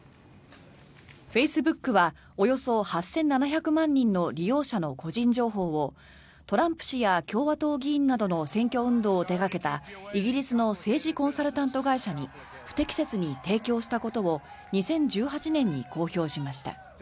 フェイスブックはおよそ８７００万人の利用者の個人情報をトランプ氏や共和党議員などの選挙運動を手掛けたイギリスの政治コンサルタント会社に不適切に提供したことを２０１８年に公表しました。